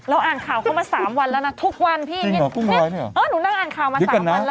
เราอ่านข่าวเขามา๓วันแล้วนะทุกวันพี่